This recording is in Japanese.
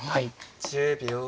１０秒。